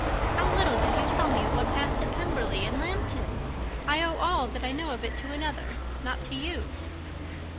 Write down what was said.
How little did you tell me of what passed at Pemberley and Lambton! I owe all that I know of it to another, not to you."